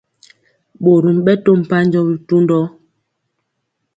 Ɓorom ɓɛ to mpanjɔ bitundɔ.